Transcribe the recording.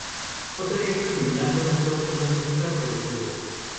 Otro ejemplo similar son las tórtolas turcas o los búhos.